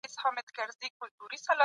د پولیو واکسین ماشوم له فلج څخه ساتي.